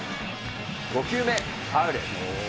５球目、ファウル。